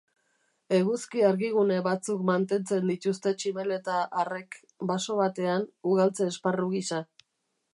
Eguzki-argigune batzuk mantentzen dituzte tximeleta arrek, baso batean, ugaltze-esparru gisa.